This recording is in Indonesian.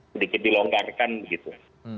sedikit dilonggarkan gitu